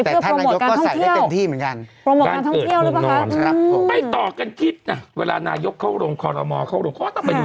แต่ถ้านายกก็ใส่ได้เต็มที่เหมือนกันโปรโมตการท่องเที่ยวโปรโมตการท่องเที่ยว